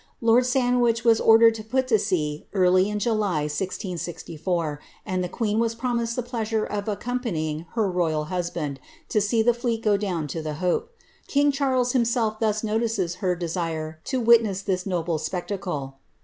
Lord Sandwich was ordered to put to sea early in July, 1664, and the queen was promised the pleasure of accompany ing her royal husband to see the fleet go down to the Hope. King Charles himself thus notices her desire to witness this noble spectacle.